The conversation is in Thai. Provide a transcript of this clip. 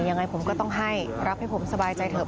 ยังไงผมก็ต้องให้รับให้ผมสบายใจเถอ